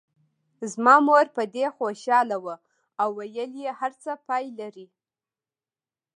زما مور په دې خوشاله وه او ویل یې هر څه پای لري.